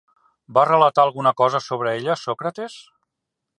Va relatar alguna cosa sobre ella, Sòcrates?